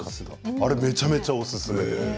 あれめちゃめちゃおすすめ。